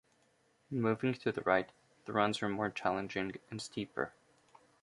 Moving to the right, the runs are more challenging and steeper.